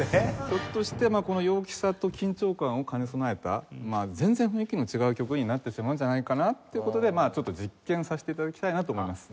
ひょっとしてこの陽気さと緊張感を兼ね備えた全然雰囲気の違う曲になってしまうんじゃないかなっていう事でちょっと実験させて頂きたいなと思います。